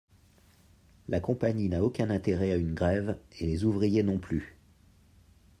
La Compagnie n’a aucun intérêt à une grève, et les ouvriers non plus.